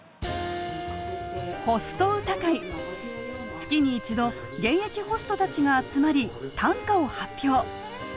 月に１度現役ホストたちが集まり短歌を発表。